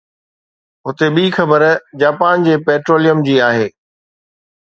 هتي ٻي خبر جاپان جي پيٽروليم جي آهي